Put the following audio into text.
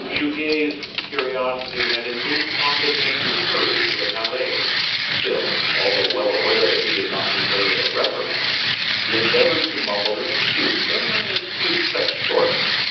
Goguet's curiosity had indeed prompted him to hurry to the Palais; still, although well aware that he did not deserve a reprimand, he endeavored to mumble an excuse an excuse cut short by M.